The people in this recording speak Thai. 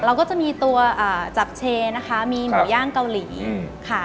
เราก็จะมีตัวจับเชนะคะมีหมูย่างเกาหลีค่ะ